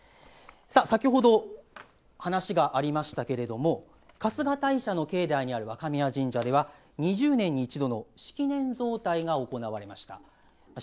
先ほど話がありましたが春日大社の境内にある若宮神社では２０年に一度の式年造替が行われました。